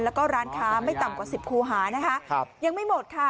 แล้วก็ร้านค้าไม่ต่ำกว่าสิบคูหานะคะยังไม่หมดค่ะ